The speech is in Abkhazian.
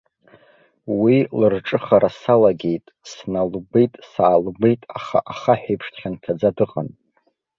Уи лырҿыхара салагеит, сналыгәеит-саалыгәеит, аха ахаҳә еиԥш дхьанҭаӡа дыҟан.